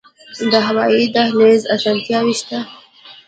د هوایی دهلیز اسانتیاوې شته؟